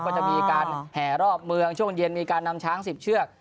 ก็จะมีการแห่รอบเมืองช่วงเย็นมีการนำช้าง๑๐เชือก